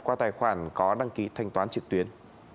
qua tài khoản có đăng ký thanh toán trực tuyến